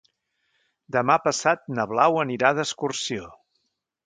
Demà passat na Blau anirà d'excursió.